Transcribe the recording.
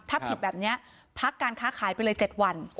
ถ้าผิดแบบนี้พักการค้าขายไปเลย๗วัน